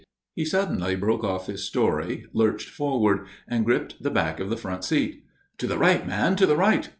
_" He suddenly broke off his story, lurched forward, and gripped the back of the front seat. "To the right, man, to the right!"